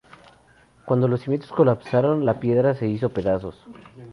Cuando los cimientos colapsaron, la piedra se hizo pedazos.